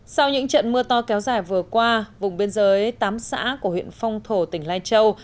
sau những trận mưa to kéo dài vừa qua vùng biên giới tám xã của huyện phong thổ tỉnh lai châu